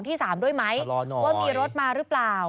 ที่๓ด้วยไหมว่ามีรถมาหรือเปล่า